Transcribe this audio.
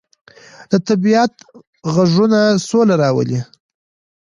د طبیعت غږونه سوله راولي.